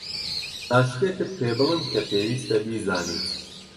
با شتێکت پێبڵێم کە پێویستە بیزانیت.